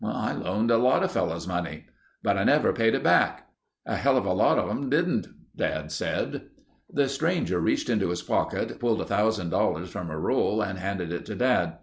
"I loaned a lotta fellows money." "But I never paid it back." "A helluva lot of 'em didn't," Dad said. The stranger reached into his pocket, pulled $1000 from a roll and handed it to Dad.